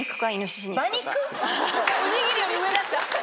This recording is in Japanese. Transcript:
おにぎりより上だった！